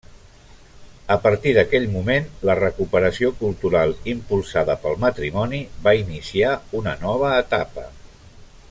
A partir d'aquell moment la recuperació cultural impulsada pel matrimoni va iniciar una nova etapa.